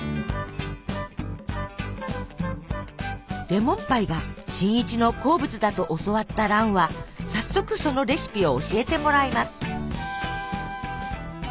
レモンパイが新一の好物だと教わった蘭は早速そのレシピを教えてもらいます。